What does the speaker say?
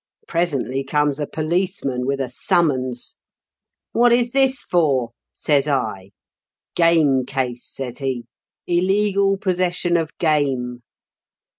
Presently comes a policeman, with a summons. "' What is this for ?' says I. "' Game case,' says he. * Illegal possession of game.'